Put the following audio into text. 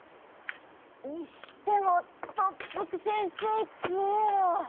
にしても特服先生強えわ。